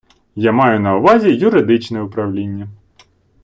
Я маю на увазі юридичне управління.